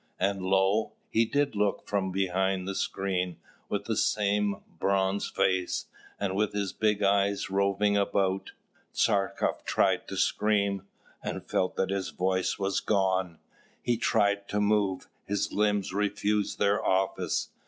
And lo! he did look from behind the screen, with the very same bronzed face, and with his big eyes roving about. Tchartkoff tried to scream, and felt that his voice was gone; he tried to move; his limbs refused their office.